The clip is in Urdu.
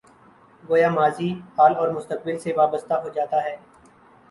گویا ماضی، حال اور مستقبل سے وابستہ ہو جاتا ہے۔